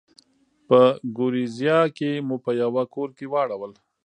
په ګوریزیا کې مو په یوه کور کې واړول.